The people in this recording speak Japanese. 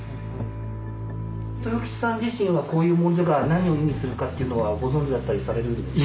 豊吉さん自身はこういう文書が何を意味するかっていうのはご存じだったりされるんですか。